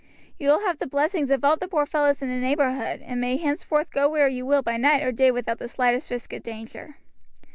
You will have the blessings of all the poor fellows in the neighborhood, and may henceforth go where you will by night or day without the slightest risk of danger."